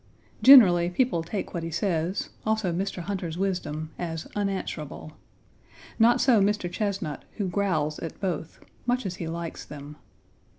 Generally, people take what he says, also Mr. Hunter's wisdom, as unanswerable. Not so Mr. Chesnut, who growls at both, much as he likes them.